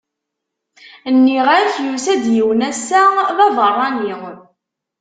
Nniɣ-ak yusa-d yiwen ass-a! d aberrani.